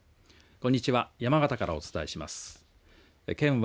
こんにちは。